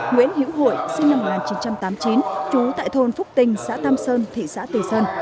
nguyễn hữu hội sinh năm một nghìn chín trăm tám mươi chín trú tại thôn phúc tinh xã tam sơn thị xã từ sơn